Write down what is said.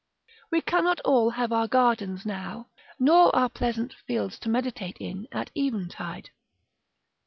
We cannot all have our gardens now, nor our pleasant fields to meditate in at eventide.